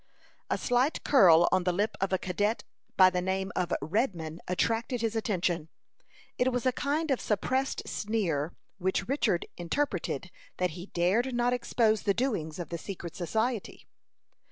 A slight curl on the lip of a cadet by the name of Redman attracted his attention. It was a kind of suppressed sneer, which Richard interpreted that he dared not expose the doings of the secret society.